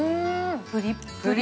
プリップリ。